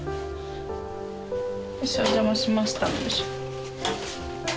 お邪魔しました。